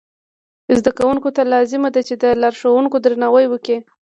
زده کوونکو ته لازمه ده چې د لارښوونکو درناوی وکړي.